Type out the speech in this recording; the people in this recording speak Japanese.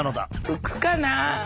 浮くかな。